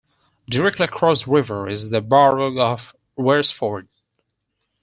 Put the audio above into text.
Directly across the river is the borough of Royersford.